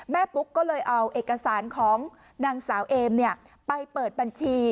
ปุ๊กก็เลยเอาเอกสารของนางสาวเอมไปเปิดบัญชี